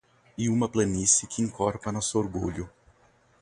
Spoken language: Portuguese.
E uma planície que encorpa nosso orgulho